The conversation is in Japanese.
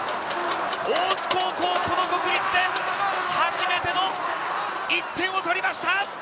大津高校、この国立で初めての１点を取りました！